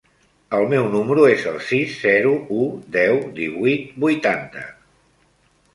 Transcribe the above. El meu número es el sis, zero, u, deu, divuit, vuitanta.